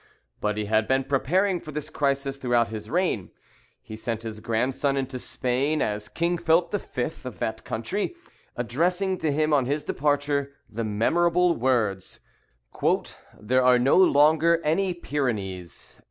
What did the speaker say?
But he had been preparing for this crisis throughout his reign. He sent his grandson into Spain as King Philip V. of that country, addressing to him on his departure the memorable words, "There are no longer any Pyrenees."